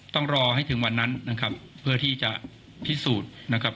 ต้องรอให้ถึงวันนั้นนะครับเพื่อที่จะพิสูจน์นะครับ